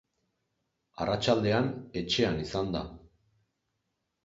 Arratsaldean, etxean izan da.